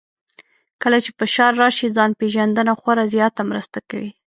کله چې فشار راشي، ځان پېژندنه خورا زیاته مرسته کوي.